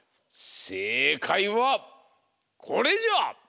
せいかいはこれじゃ！